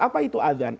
apa itu adhan